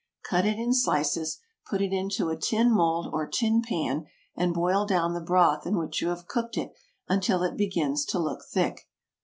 Cut it in slices; put it into a tin mould or tin pan and boil down the broth in which you have cooked it until it begins to look thick.